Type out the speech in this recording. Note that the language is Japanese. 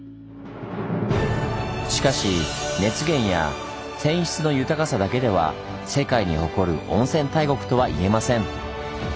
しかし熱源や泉質の豊かさだけでは世界に誇る温泉大国とは言えません！